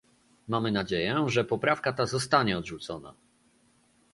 Mamy nadzieję, że poprawka ta zostanie odrzucona